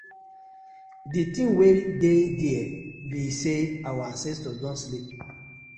Di tin wey dey dere bi say our ancestors don sleep.